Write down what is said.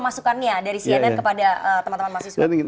masukannya dari cnn kepada teman teman mahasiswa